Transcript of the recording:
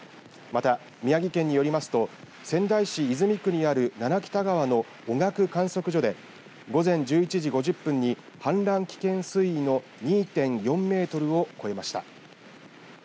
また、宮城県によりますと仙台市泉区にある七北田川の大型観測所で午前１１時５０分に氾濫危険水位の２．４メートルを超えました。